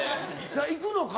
行くのか？